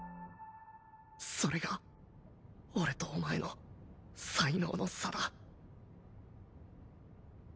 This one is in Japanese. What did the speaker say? それが俺とお前の才能の差だ。